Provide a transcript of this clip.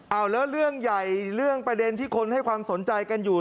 เอาแล้วเรื่องใหญ่เรื่องประเด็นที่คนให้ความสนใจกันอยู่